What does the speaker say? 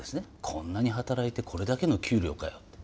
こんなに働いてこれだけの給料かよって。